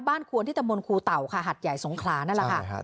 บ้านควรที่ตะมนต์ครูเต่าค่ะหัดใหญ่สงครานั่นแหละค่ะใช่ค่ะ